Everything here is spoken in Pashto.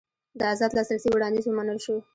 د ازاد لاسرسي وړاندیز ومنل شو.